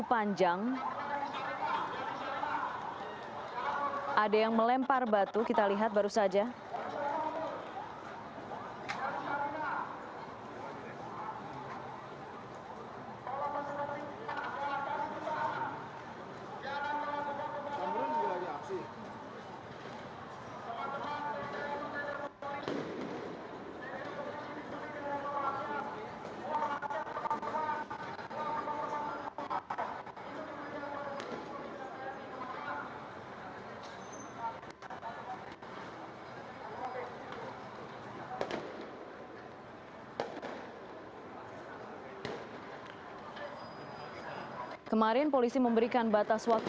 ya ini adalah gambar terkini di mh tamrin jakarta